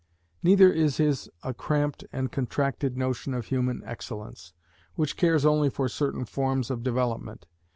Neither is his a cramped and contracted notion of human excellence, which cares only for certain forms of development.